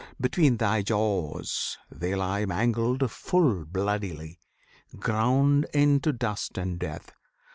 Between Thy jaws they lie Mangled full bloodily, Ground into dust and death!